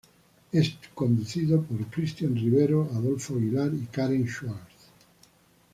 Es conducido por Cristian Rivero, Adolfo Aguilar y Karen Schwarz.